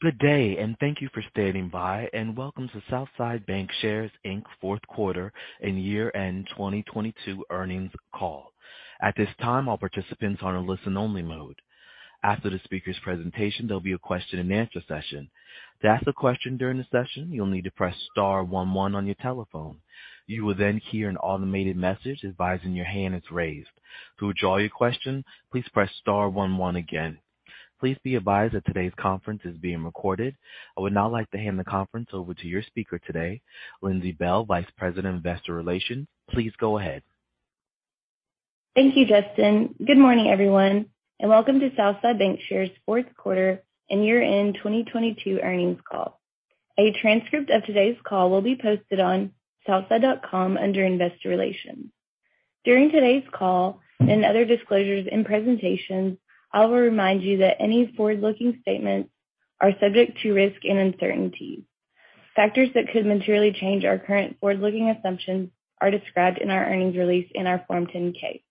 Good day. Thank you for standing by, and welcome to Southside Bancshares, Inc.'s fourth quarter and year-end 2022 earnings call. At this time, all participants are in listen only mode. After the speaker's presentation, there'll be a question-and-answer session. To ask a question during the session, you'll need to press star one one on your telephone. You will hear an automated message advising your hand is raised. To withdraw your question, please press star one one again. Please be advised that today's conference is being recorded. I would now like to hand the conference over to your speaker today, Lindsey Bailes, Vice President of Investor Relations. Please go ahead. Thank you, Justin. Good morning, everyone, and welcome to Southside Bancshares' fourth quarter and year-end 2022 earnings call. A transcript of today's call will be posted on southside.com under Investor Relations. During today's call and other disclosures and presentations, I will remind you that any forward-looking statements are subject to risk and uncertainty. Factors that could materially change our current forward-looking assumptions are described in our earnings release in our Form 10-K.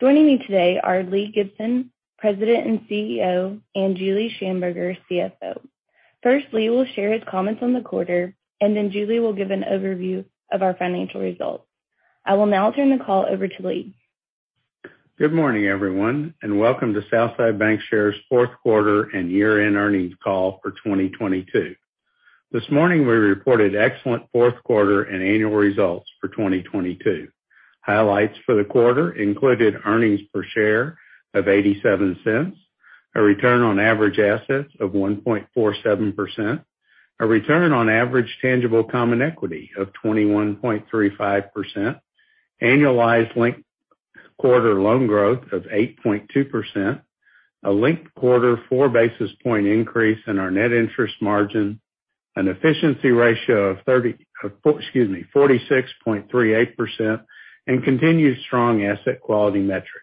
Joining me today are Lee Gibson, President and CEO, and Julie Shamburger, CFO. First, Lee will share his comments on the quarter, and then Julie will give an overview of our financial results. I will now turn the call over to Lee. Good morning, everyone, welcome to Southside Bancshares fourth quarter and year-end earnings call for 2022. This morning, we reported excellent fourth quarter and annual results for 2022. Highlights for the quarter included earnings per share of 0.87, a return on average assets of 1.47%, a return on average tangible common equity of 21.35%, annualized linked quarter loan growth of 8.2%, a linked quarter four basis point increase in our net interest margin, an efficiency ratio of 46.38%, continued strong asset quality metrics.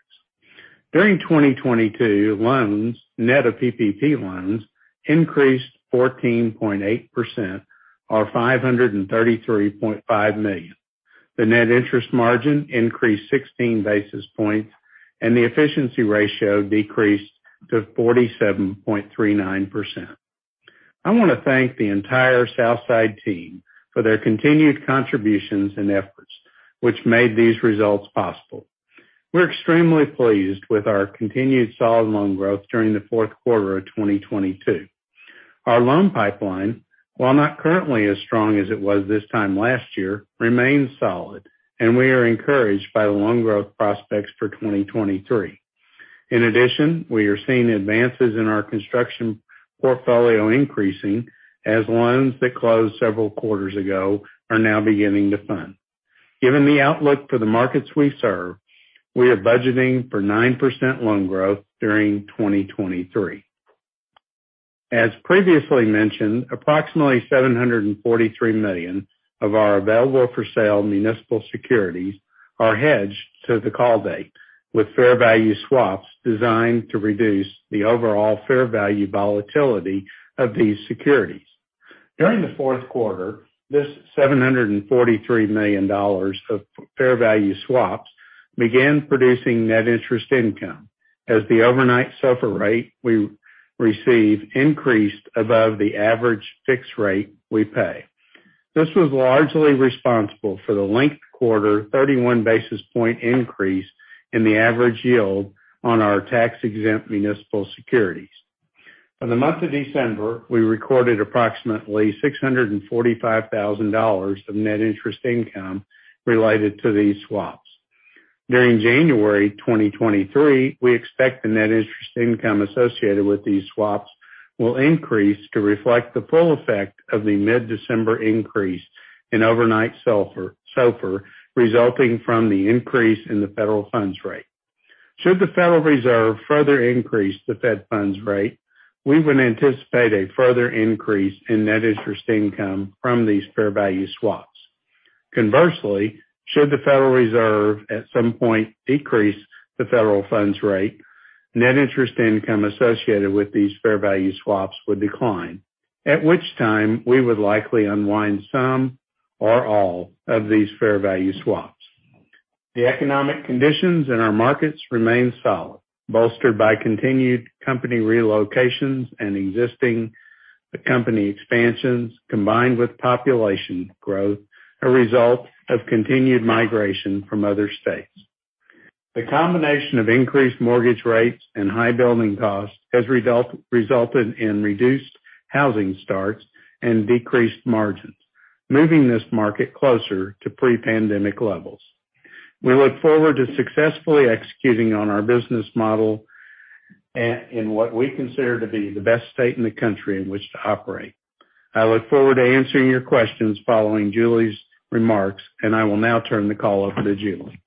During 2022, loans net of PPP loans increased 14.8% or 533.5 million. The net interest margin increased 16 basis points, the efficiency ratio decreased to 47.39%. I want to thank the entire Southside team for their continued contributions and efforts, which made these results possible. We're extremely pleased with our continued solid loan growth during the fourth quarter of 2022. Our loan pipeline, while not currently as strong as it was this time last year, remains solid, and we are encouraged by the loan growth prospects for 2023. In addition, we are seeing advances in our construction portfolio increasing as loans that closed several quarters ago are now beginning to fund. Given the outlook for the markets we serve, we are budgeting for 9% loan growth during 2023. As previously mentioned, approximately 743 million of our available for sale municipal securities are hedged to the call date with fair value swaps designed to reduce the overall fair value volatility of these securities. During the fourth quarter, this $743 million of fair value swaps began producing net interest income as the overnight SOFR rate we receive increased above the average fixed rate we pay. This was largely responsible for the linked quarter 31 basis point increase in the average yield on our tax-exempt municipal securities. For the month of December, we recorded approximately $645,000 of net interest income related to these swaps. During January 2023, we expect the net interest income associated with these swaps will increase to reflect the full effect of the mid-December increase in overnight SOFR, resulting from the increase in the federal funds rate. Should the Federal Reserve further increase the fed funds rate, we would anticipate a further increase in net interest income from these fair value swaps. Conversely, should the Federal Reserve at some point decrease the federal funds rate, net interest income associated with these fair value swaps would decline, at which time we would likely unwind some or all of these fair value swaps. The economic conditions in our markets remain solid, bolstered by continued company relocations and existing company expansions, combined with population growth, a result of continued migration from other states. The combination of increased mortgage rates and high building costs has resulted in reduced housing starts and decreased margins, moving this market closer to pre-pandemic levels. We look forward to successfully executing on our business model and what we consider to be the best state in the country in which to operate. I look forward to answering your questions following Julie's remarks, and I will now turn the call over to Julie.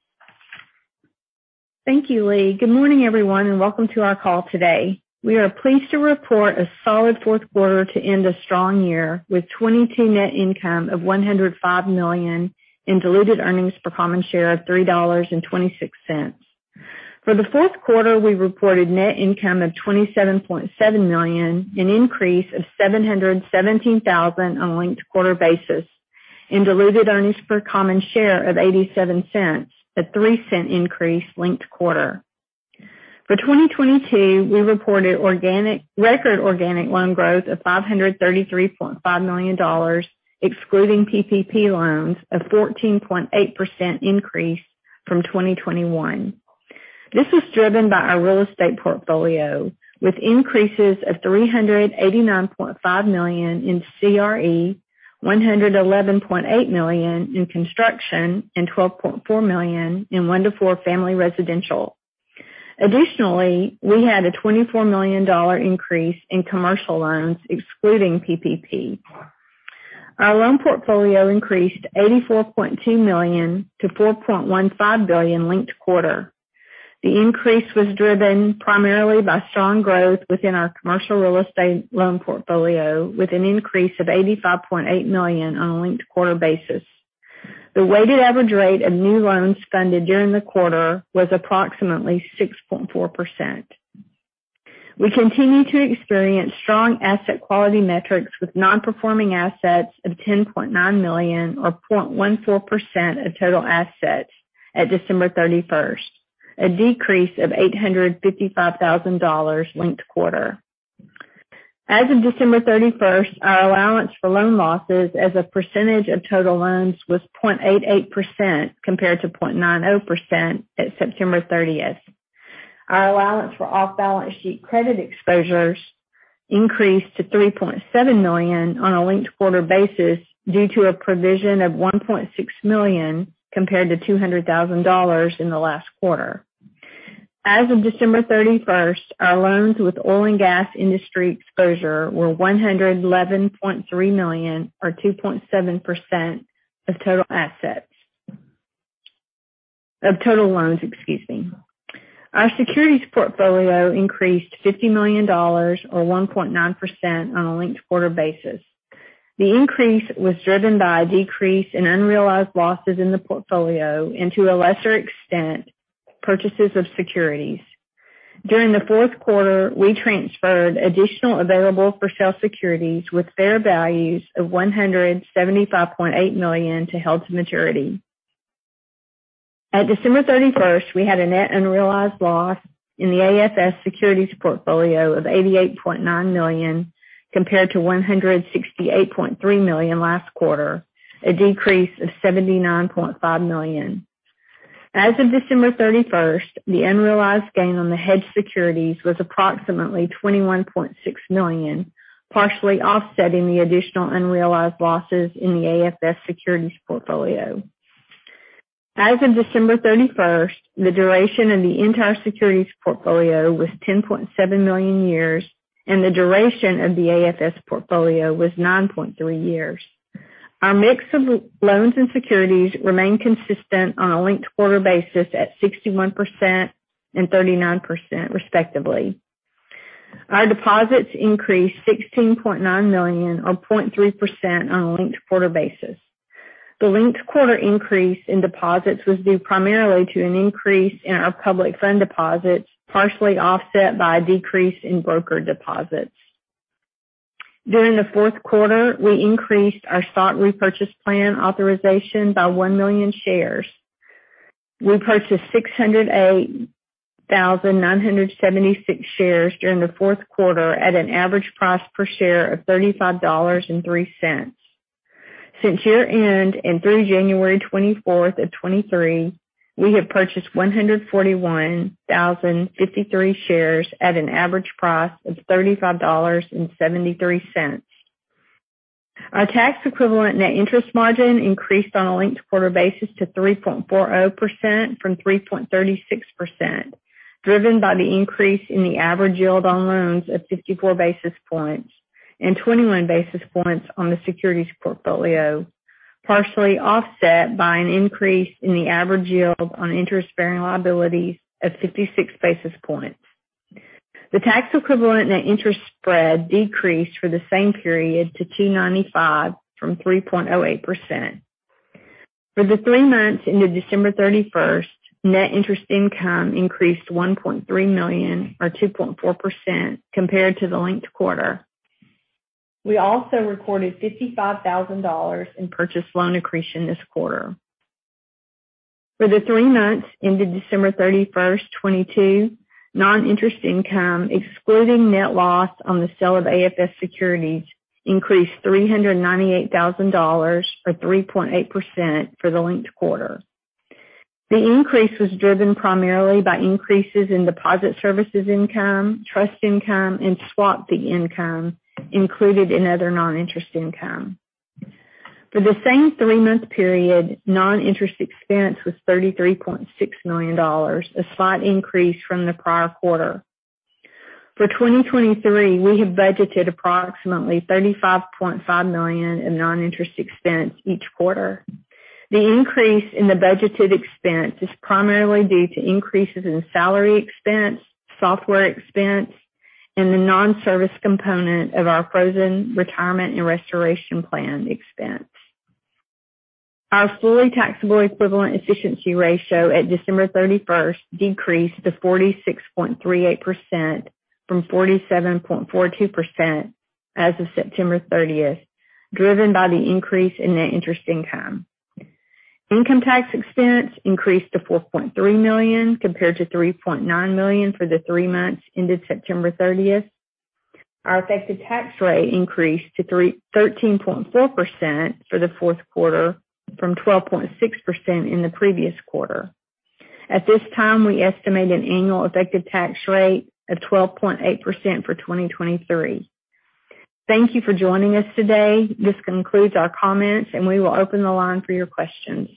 Thank you, Lee. Good morning, everyone, and welcome to our call today. We are pleased to report a solid fourth quarter to end a strong year with 2022 net income of $105 million and diluted earnings per common share of $3.26. For the fourth quarter, we reported net income of 27.7 million, an increase of 717,000 on a linked quarter basis. Diluted earnings per common share of 0.87, a 0.03 increase linked quarter. For 2022, we reported organic, record organic loan growth of 533.5 million, excluding PPP loans of 14.8% increase from 2021. This was driven by our real estate portfolio, with increases of 389.5 million in CRE, 111.8 million in construction, and 12.4 million in 1-4 family residential. Additionally, we had a $24 million increase in commercial loans excluding PPP. Our loan portfolio increased to $4.15 billion linked quarter. The increase was driven primarily by strong growth within our commercial real estate loan portfolio, with an increase of $85.8 million on a linked quarter basis. The weighted average rate of new loans funded during the quarter was approximately 6.4%. We continue to experience strong asset quality metrics with non-performing assets of 10.9 million or 0.14% of total assets at December 31st, a decrease of $855,000 linked quarter. As of December 31st, our allowance for loan losses as a percentage of total loans was 0.88% compared to 0.90% at September 30th. Our allowance for off-balance sheet credit exposures increased to 3.7 million on a linked quarter basis due to a provision of 1.6 million compared to $200,000 in the last quarter. As of December 31st, our loans with oil and gas industry exposure were 111.3 million or 2.7% of total assets. Of total loans, excuse me. Our securities portfolio increased $50 million or 1.9% on a linked-quarter basis. The increase was driven by a decrease in unrealized losses in the portfolio and to a lesser extent, purchases of securities. During the fourth quarter, we transferred additional available-for-sale securities with fair values of $175.8 million to held-to-maturity. At December 31st, we had a net unrealized loss in the AFS securities portfolio of 88.9 million compared to 168.3 million last quarter, a decrease of 79.5 million. As of December 31st, the unrealized gain on the hedged securities was approximately 21.6 million, partially offsetting the additional unrealized losses in the AFS securities portfolio. As of December 31st, the duration of the entire securities portfolio was 10.7 million years, and the duration of the AFS portfolio was 9.3 years. Our mix of loans and securities remained consistent on a linked quarter basis at 61% and 39% respectively. Our deposits increased 16.9 million or 0.3% on a linked quarter basis. The linked quarter increase in deposits was due primarily to an increase in our public fund deposits, partially offset by a decrease in broker deposits. During the fourth quarter, we increased our stock repurchase plan authorization by 1 million shares. We purchased 608,976 shares during the fourth quarter at an average price per share of $35.03. Since year-end and through January 24th of 2023, we have purchased 141,053 shares at an average price of 35.73. Our tax equivalent net interest margin increased on a linked quarter basis to 3.40% from 3.36%, driven by the increase in the average yield on loans of 54 basis points and 21 basis points on the securities portfolio, partially offset by an increase in the average yield on interest-bearing liabilities of 56 basis points. The tax equivalent net interest spread decreased for the same period to 2.95% from 3.08%. For the three months ended December 31st, net interest income increased 1.3 million or 2.4% compared to the linked quarter. We also recorded $55,000 in purchase loan accretion this quarter. For the three months ended December 31st, 2022, non-interest income, excluding net loss on the sale of AFS securities, increased $398,000 or 3.8% for the linked quarter. The increase was driven primarily by increases in deposit services income, trust income, and swap fee income included in other non-interest income. For the same three-month period, non-interest expense was $33.6 million, a slight increase from the prior quarter. For 2023, we have budgeted approximately $35.5 million in non-interest expense each quarter. The increase in the budgeted expense is primarily due to increases in salary expense, software expense, and the non-service component of our frozen retirement and restoration plan expense. Our fully taxable equivalent efficiency ratio at December 31st decreased to 46.38% from 47.42% as of September 30th, driven by the increase in net interest income. Income tax expense increased to 4.3 million compared to 3.9 million for the three months ended September 30th. Our effective tax rate increased to 13.4% for the fourth quarter from 12.6% in the previous quarter. At this time, we estimate an annual effective tax rate of 12.8% for 2023. Thank you for joining us today. This concludes our comments, and we will open the line for your questions.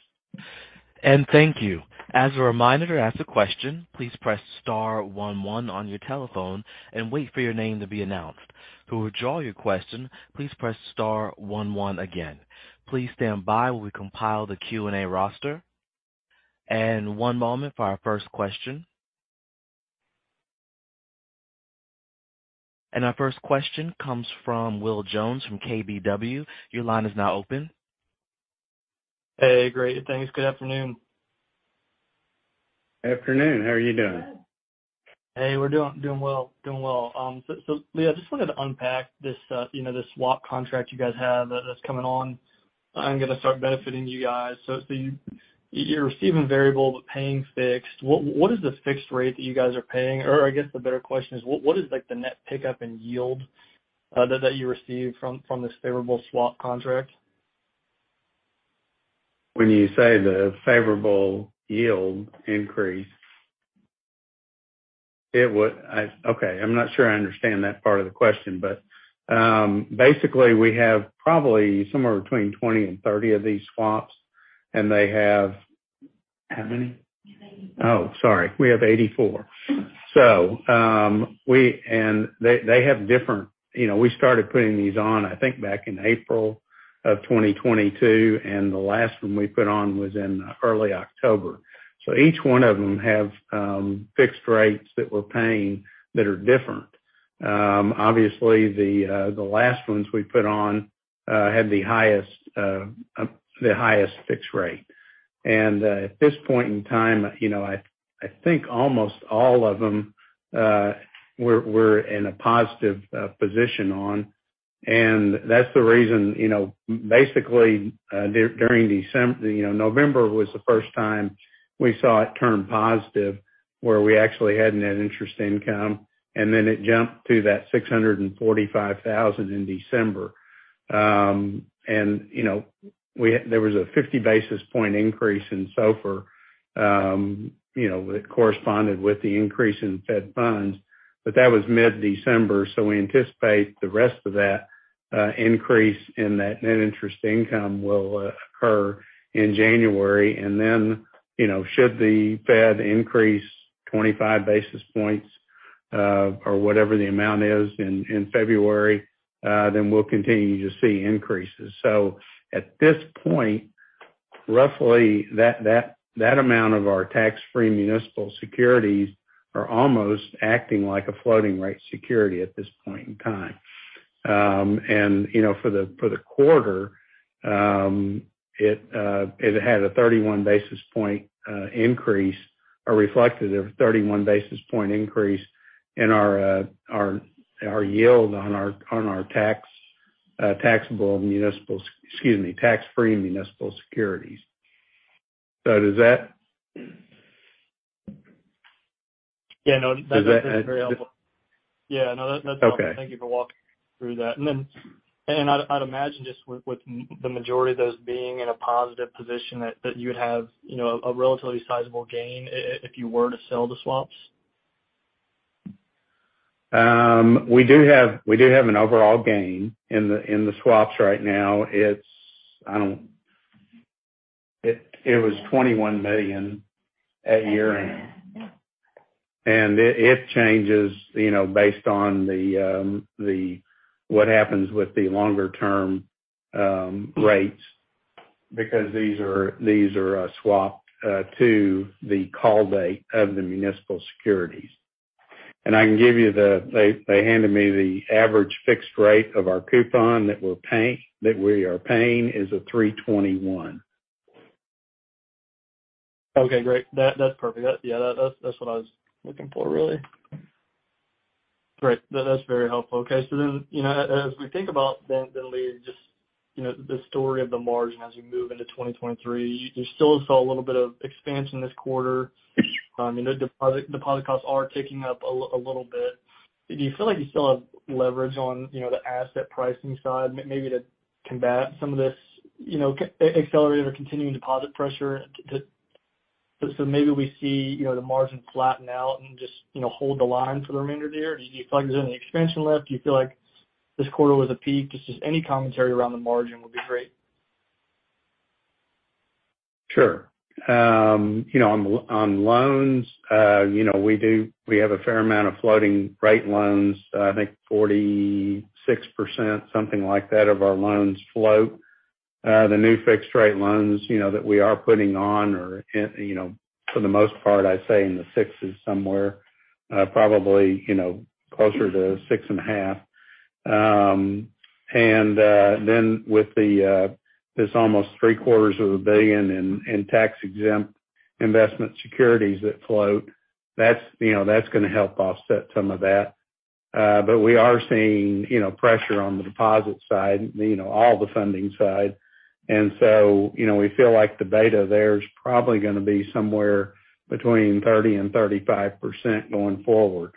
Thank you. As a reminder, to ask a question, please press star one one on your telephone and wait for your name to be announced. To withdraw your question, please press star one one again. Please stand by while we compile the Q&A roster. One moment for our first question. Our first question comes from Will Jones from KBW. Your line is now open. Hey, great. Thanks. Good afternoon. Afternoon. How are you doing? Hey, we're doing well. Doing well. Lee, I just wanted to unpack this, you know, this swap contract you guys have that's coming on and going to start benefiting you guys. You're receiving variable but paying fixed. What is the fixed rate that you guys are paying? I guess the better question is what is, like, the net pickup in yield that you receive from this favorable swap contract? When you say the favorable yield increase, Okay, I'm not sure I understand that part of the question. Basically, we have probably somewhere between 20 and 30 of these swaps, and they have... How many? Eighty-four. Oh, sorry. We have 84. They have different. You know, we started putting these on, I think, back in April of 2022, and the last one we put on was in early October. Each one of them have fixed rates that we're paying that are different. Obviously, the last ones we put on had the highest fixed rate. At this point in time, you know, I think almost all of them, we're in a positive position on. That's the reason, you know, basically, during, you know, November was the first time we saw it turn positive, where we actually had net interest income, and then it jumped to that 645,000 in December. You know, there was a 50 basis point increase in SOFR, you know, that corresponded with the increase in Fed funds. That was mid-December, we anticipate the rest of that increase in that net interest income will occur in January. You know, should the Fed increase 25 basis points or whatever the amount is in February, then we'll continue to see increases. At this point, roughly that amount of our tax-free municipal securities are almost acting like a floating-rate security at this point in time. You know, for the quarter, it had a 31 basis point increase or reflected a 31 basis point increase in our yield on our tax, taxable municipal, excuse me, tax-free municipal securities. So does that- Yeah. Does that- That's very helpful. Just- Yeah, no. That's helpful. Okay. Thank you for walking through that. I'd imagine just with the majority of those being in a positive position that you would have, you know, a relatively sizable gain if you were to sell the swaps. We do have an overall gain in the swaps right now. It's, I don't. It was 21 million at year-end. It changes, you know, based on the what happens with the longer-term rates because these are swapped to the call date of the municipal securities. I can give you the. They handed me the average fixed rate of our coupon that we are paying is a 3.21%. Okay, great. That's perfect. That, yeah, that's what I was looking for really. Great. That's very helpful. Okay. You know, as we think about then, Lee, just, you know, the story of the margin as we move into 2023, you still saw a little bit of expansion this quarter. You know, deposit costs are ticking up a little bit. Do you feel like you still have leverage on, you know, the asset pricing side maybe to combat some of this, you know, accelerated or continuing deposit pressure that... Maybe we see, you know, the margin flatten out and just, you know, hold the line for the remainder of the year? Do you feel like there's any expansion left? Do you feel like this quarter was a peak? Just any commentary around the margin would be great. Sure. you know, on loans, you know, we have a fair amount of floating rate loans. I think 46%, something like that, of our loans float. The new fixed rate loans, you know, that we are putting on, you know, for the most part, I'd say in the six is probably, you know, closer to six and a half. With this almost three-quarters of a billion in tax-exempt investment securities that float, that's, you know, that's going to help offset some of that. We are seeing, you know, pressure on the deposit side, you know, all the funding side. you know, we feel like the beta there is probably going to be somewhere between 30% and 35% going forward.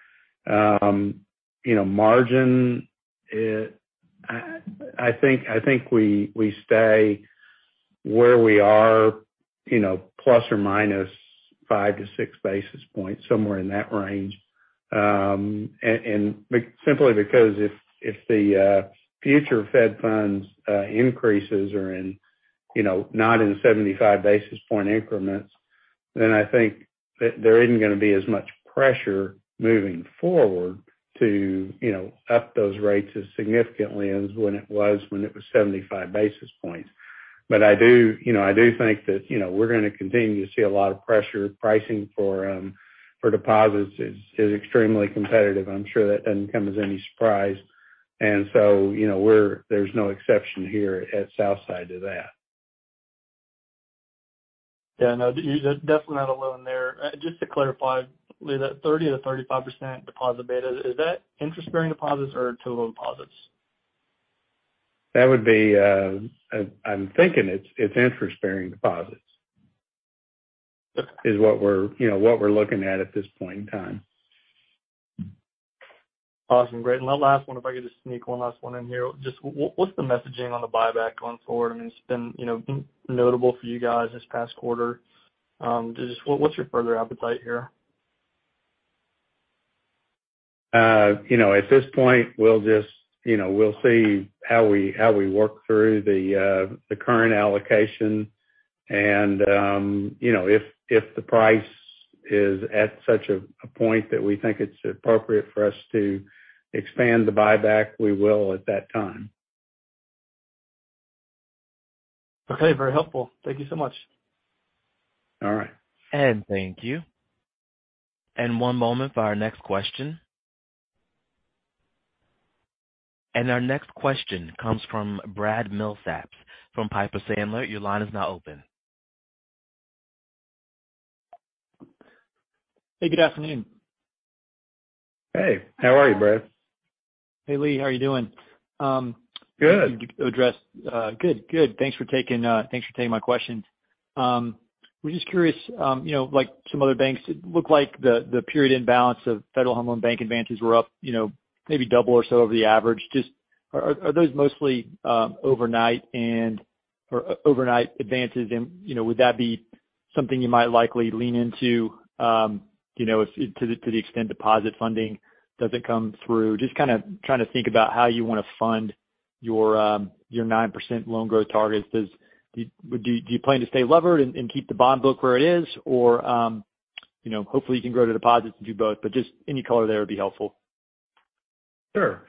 you know, margin, I think we stay where we are, you know, plus or minus five-six basis points, somewhere in that range. simply because if the future fed funds increases are in, you know, not in 75 basis point increments, then I think that there isn't going to be as much pressure moving forward to, you know, up those rates as significantly as when it was 75 basis points. I do, you know, I do think that, you know, we're going to continue to see a lot of pressure. Pricing for deposits is extremely competitive. I'm sure that doesn't come as any surprise. you know, there's no exception here at Southside to that. Yeah, no, you're definitely not alone there. Just to clarify, Lee, that 30%-35% deposit beta, is that interest-bearing deposits or total deposits? That would be, I'm thinking it's interest-bearing deposits. Okay. Is what we're, you know, what we're looking at at this point in time? Awesome. Great. The last one, if I could just sneak one last one in here. Just what's the messaging on the buyback going forward? I mean, it's been, you know, notable for you guys this past quarter. Just what's your further appetite here? you know, at this point, we'll just, you know, we'll see how we, how we work through the current allocation, and, you know, if the price is at such a point that we think it's appropriate for us to expand the buyback, we will at that time. Okay. Very helpful. Thank you so much. All right. Thank you. One moment for our next question. Our next question comes from Brad Milsaps from Piper Sandler. Your line is now open. Hey, good afternoon. Hey, how are you, Brad? Hey, Lee. How are you doing? Good. address, Good. Thanks for taking, thanks for taking my questions. We're just curious, you know, like some other banks, it looked like the period end balance of Federal Home Loan Bank advances were up, you know, maybe double or so over the average. Just are those mostly overnight or overnight advances? You know, would that be something you might likely lean into, you know, to the extent deposit funding doesn't come through? Just kinda trying to think about how you want to fund your 9% loan growth targets. Do you plan to stay levered and keep the bond book where it is or, you know, hopefully you can grow the deposits and do both? Just any color there would be helpful. Sure.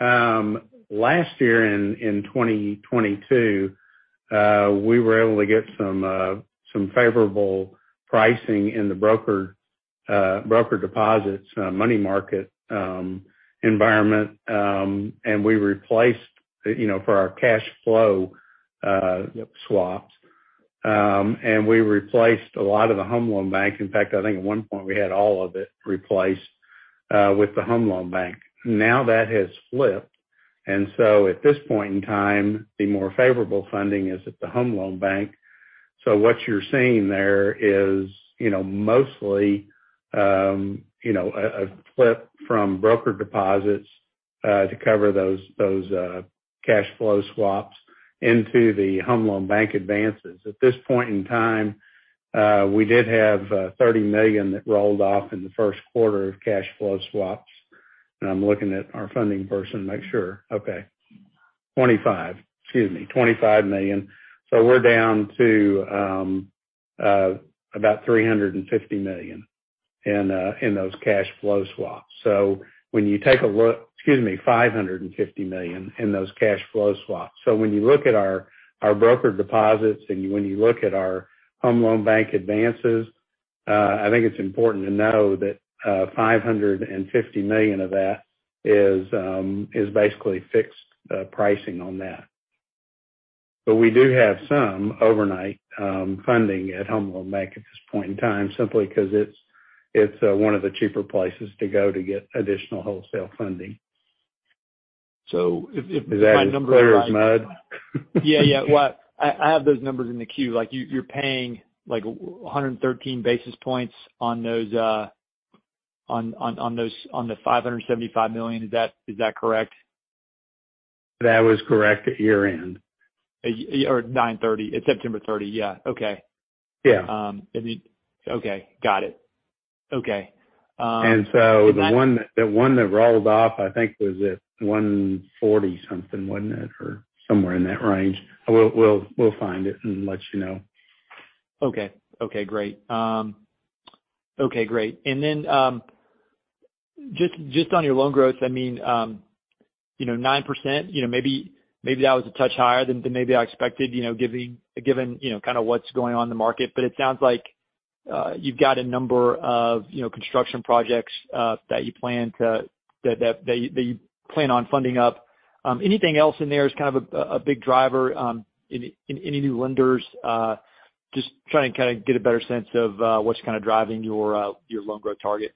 Last year in 2022, we were able to get some favorable pricing in the broker deposits, money market environment, and we replaced, you know, for our cash flow swaps, and we replaced a lot of the Home Loan Bank. In fact, I think at one point, we had all of it replaced with the Home Loan Bank. Now that has flipped. At this point in time, the more favorable funding is at the Home Loan Bank. What you're seeing there is, you know, mostly, you know, a flip from broker deposits to cover those cash flow swaps into the Home Loan Bank advances. At this point in time, we did have 30 million that rolled off in the first quarter of cash flow swaps. I'm looking at our funding person to make sure. Okay. 25. Excuse me, 25 million. We're down to about 350 million in those cash flow swaps. When you take a look. Excuse me, 550 million in those cash flow swaps. When you look at our broker deposits and when you look at our Home Loan Bank advances, I think it's important to know that $550 million of that is basically fixed pricing on that. We do have some overnight funding at Home Loan Bank at this point in time, simply 'cause it's one of the cheaper places to go to get additional wholesale funding. if my numbers-. Is that as clear as mud? Yeah, yeah. Well, I have those numbers in the queue. Like, you're paying, like, 113 basis points on those, on the 575 million. Is that correct? That was correct at year-end. 9:30. September 30, yeah. Okay. Yeah. let me... Okay. Got it. Okay. The one that rolled off, I think was at 140 something, wasn't it? Somewhere in that range. We'll find it and let you know. Okay. Okay, great. Okay, great. Just on your loan growth, I mean, You know, 9%, you know, maybe that was a touch higher than maybe I expected, you know, given, you know, kind of what's going on in the market. It sounds like you've got a number of, you know, construction projects that you plan on funding up. Anything else in there as kind of a big driver, any new lenders? Just trying to kind of get a better sense of what's kind of driving your loan growth target.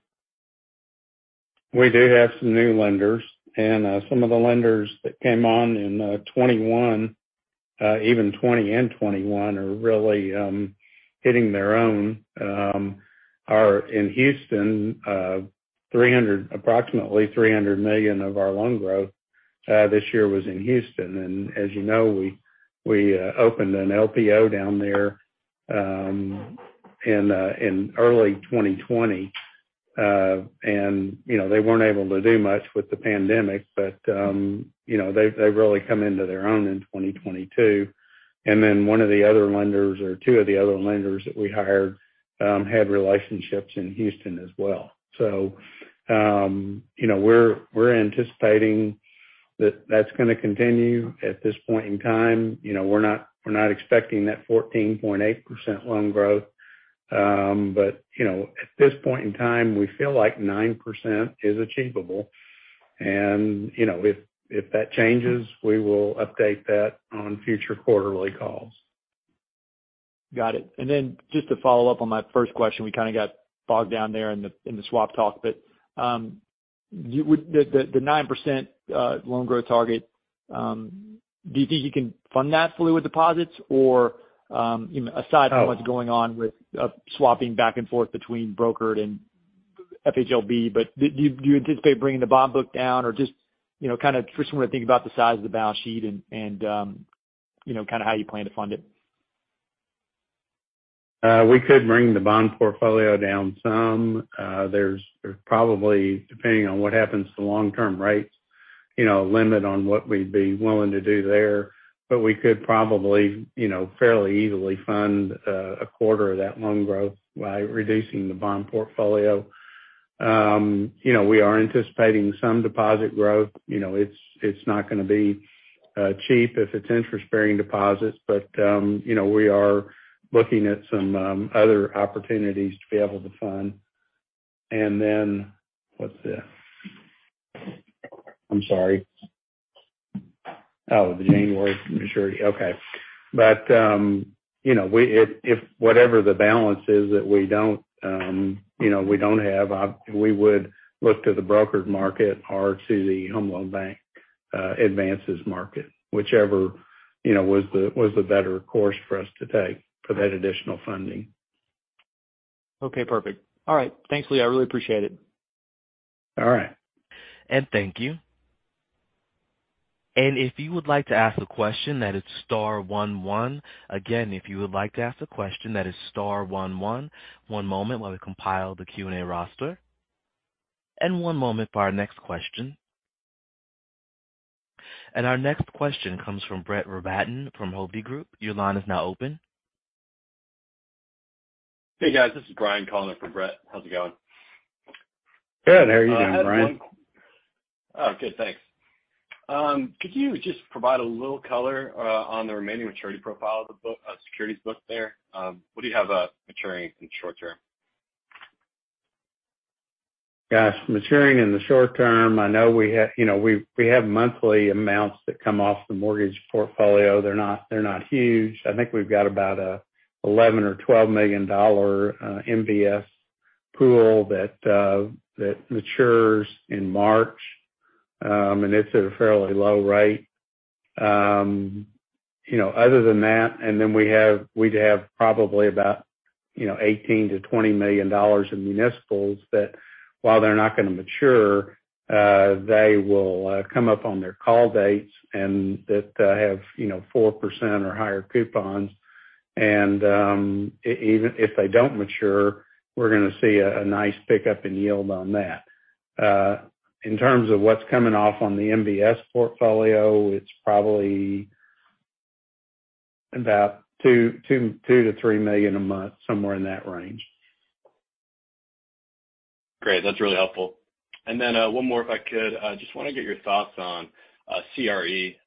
We do have some new lenders. Some of the lenders that came on in 2021, even 2020 and 2021, are really hitting their own. In Houston, approximately 300 million of our loan growth this year was in Houston. As you know, we opened an LPO down there in early 2020. You know, they weren't able to do much with the pandemic, but, you know, they've really come into their own in 2022. One of the other lenders, or two of the other lenders that we hired, had relationships in Houston as well. You know, we're anticipating that that's going to continue at this point in time. You know, we're not expecting that 14.8% loan growth. You know, at this point in time, we feel like 9% is achievable. You know, if that changes, we will update that on future quarterly calls. Got it. Just to follow up on my first question, we kind of got bogged down there in the, in the swap talk. Would the 9% loan growth target, do you think you can fund that fully with deposits? You know, aside from what's going on with swapping back and forth between brokered and FHLB, do you anticipate bringing the bond book down? Just, you know, kind of just want to think about the size of the balance sheet and, you know, kind of how you plan to fund it. We could bring the bond portfolio down some. There's probably, depending on what happens to long-term rates, you know, a limit on what we'd be willing to do there. We could probably, you know, fairly easily fund a quarter of that loan growth by reducing the bond portfolio. You know, we are anticipating some deposit growth. You know, it's not going to be cheap if it's interest-bearing deposits, but, you know, we are looking at some other opportunities to be able to fund. What's this? I'm sorry. Oh, the January maturity, okay. You know, if whatever the balance is that we don't, you know, we don't have, we would look to the brokered market or to the Home Loan Bank advances market, whichever, you know, was the better course for us to take for that additional funding. Okay, perfect. All right. Thanks, Lee. I really appreciate it. All right. Thank you. If you would like to ask a question, that is star one one. Again, if you would like to ask a question, that is star one one. One moment while we compile the Q&A roster. One moment for our next question. Our next question comes from Brett Rabatin from Hovde Group. Your line is now open. Hey, guys. This is Brian calling in for Brett. How's it going? Good. How are you doing, Brian? I have one. Oh, good, thanks. Could you just provide a little color on the remaining maturity profile of the book, securities book there? What do you have maturing in short term? Gosh, maturing in the short term, I know you know, we have monthly amounts that come off the mortgage portfolio. They're not huge. I think we've got about $11 million or $12 million MBS pool that matures in March. It's at a fairly low rate. You know, other than that, then we'd have probably about, you know, $18 million-$20 million in municipals that while they're not going to mature, they will come up on their call dates and that have, you know, 4% or higher coupons. Even if they don't mature, we're going to see a nice pickup in yield on that. In terms of what's coming off on the MBS portfolio, it's probably about $2 million-$3 million a month, somewhere in that range. Great. That's really helpful. One more, if I could. I just want to get your thoughts on CRE.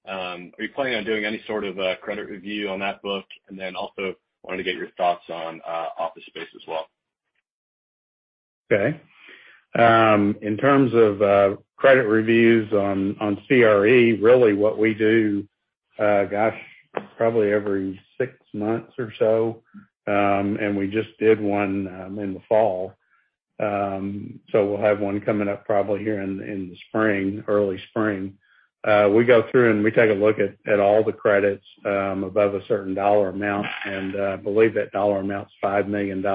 Are you planning on doing any sort of credit review on that book? Also wanted to get your thoughts on office space as well. Okay. In terms of credit reviews on CRE, really what we do, gosh, probably every six months or so, and we just did one in the fall. We'll have one coming up probably here in the spring, early spring. We go through and we take a look at all the credits above a certain dollar amount. I believe that dollar amount is $5 million.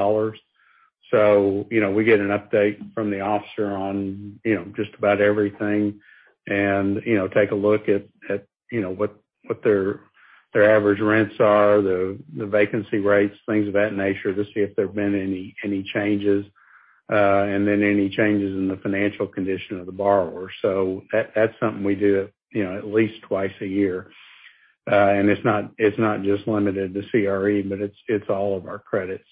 You know, we get an update from the officer on, you know, just about everything and, you know, take a look at, you know, what their average rents are, the vacancy rates, things of that nature, to see if there have been any changes, and then any changes in the financial condition of the borrower. That's something we do, you know, at least twice a year. It's not just limited to CRE, but it's all of our credits.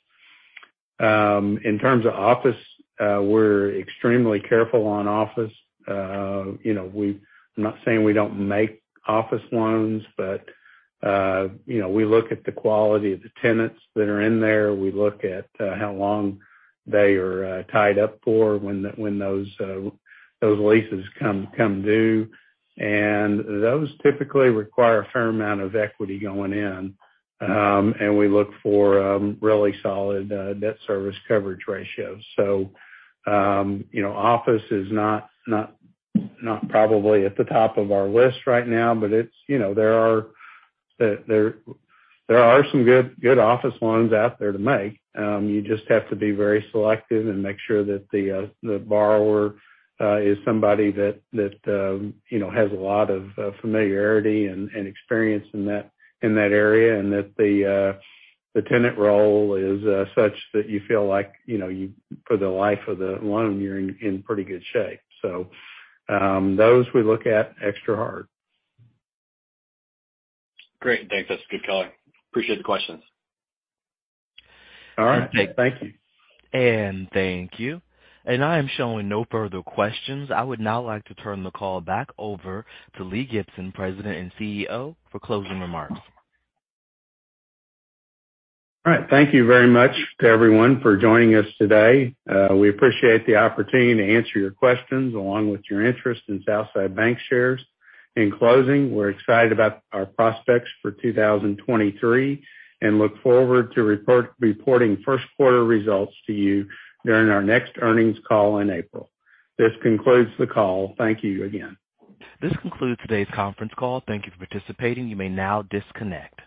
In terms of office, we're extremely careful on office. You know, I'm not saying we don't make office loans, but, you know, we look at the quality of the tenants that are in there. We look at how long they are tied up for when those leases come due. Those typically require a fair amount of equity going in. We look for really solid debt service coverage ratios. You know, office is not probably at the top of our list right now, but it's, you know, there are... That there are some good office loans out there to make. You just have to be very selective and make sure that the borrower is somebody that, you know, has a lot of familiarity and experience in that area, and that the tenant role is such that you feel like, you know, you for the life of the loan, you're in pretty good shape. Those we look at extra hard. Great. Thanks. That's a good call. Appreciate the questions. All right. Thank you. Thank you. I am showing no further questions. I would now like to turn the call back over to Lee Gibson, President and CEO, for closing remarks. All right. Thank you very much to everyone for joining us today. We appreciate the opportunity to answer your questions, along with your interest in Southside Bancshares. In closing, we're excited about our prospects for 2023 and look forward to reporting first quarter results to you during our next earnings call in April. This concludes the call. Thank you again. This concludes today's conference call. Thank you for participating. You may now disconnect.